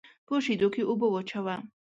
په شېدو کې اوبه واچوه.